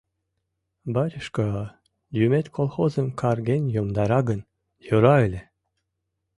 Батюшка, юмет колхозым карген йомдара гын, йӧра ыле.